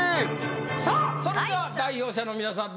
さあそれでは代表者の皆さん